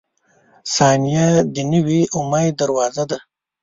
• ثانیه د نوي امید دروازه ده.